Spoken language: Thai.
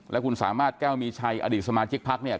และคุณสามารถแก้วมีชัยอดีตสมาชิกพักเนี่ย